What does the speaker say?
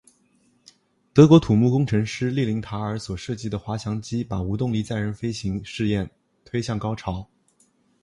德国土木工程师利林塔尔所设计的滑翔机把无动力载人飞行试验推向高潮。